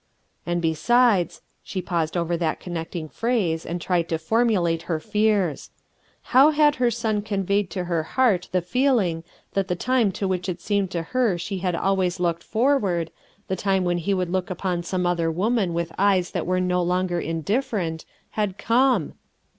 And besides — she paused over that connecting phrase and tried to formulate her fears. How had her son conveyed to her heart the feeling that the time to which it seemed to hex &he bad always looked MAMIE PARKER n forward — the time when he would look upon come other woman with eyes that were no longer indifferent, hud conic?